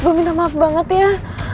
gue minta maaf banget ya